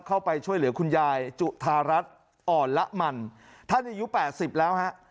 เข้าไปช่วยเหลือคุณยายจุธารัฐอ่อนละมันท่านอายุแปดสิบแล้วฮะ